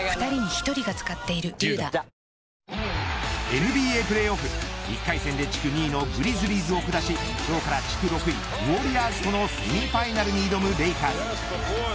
ＮＢＡプレーオフ１回戦で地区２位のグリズリーズを下し今日から地区６位ウォリアーズとのセミファイナルに挑むレイカーズ。